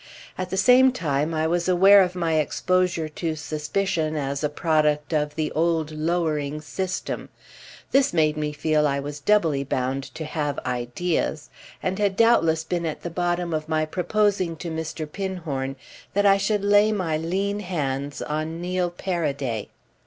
At the same time I was aware of my exposure to suspicion as a product of the old lowering system. This made me feel I was doubly bound to have ideas, and had doubtless been at the bottom of my proposing to Mr. Pinhorn that I should lay my lean hands on Neil Paraday.